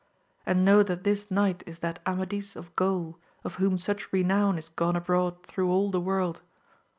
And know that this knight is that Amadis of Gaul, of whom such re nown is gone abroad through all the world.